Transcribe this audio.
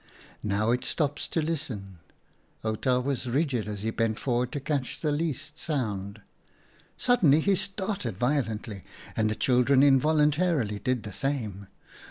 " Now it stops to listen." Outa was rigid as he bent forward to catch the least sound. Suddenly he started 1 6 OUT A KARELS STORIES violently, and the children involuntarily did the same.